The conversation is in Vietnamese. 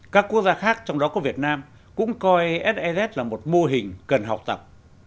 các quốc gia khác trong đó có việt nam cũng coi se là một mô hình cần học tập